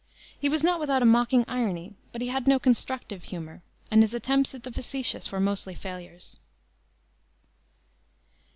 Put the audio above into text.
He was not without a mocking irony, but he had no constructive humor, and his attempts at the facetious were mostly failures.